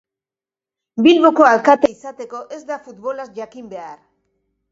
Bilboko alkate izateko ez da futbolaz jakin behar.